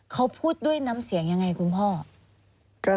เขาพูดด้วยน้ำเสียงยังไงคุณพ่อ